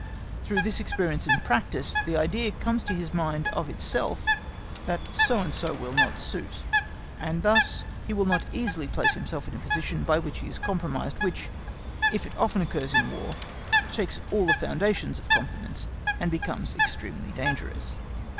Through this experience and practice the idea comes to his mind of itself that so and so will not suit. And thus he will not easily place himself in a position by which he is compromised, which, if it often occurs in War, shakes all the foundations of confidence and becomes extremely dangerous.